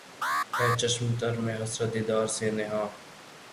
ھے چشم تر میں حسرت دیدار سے نہاں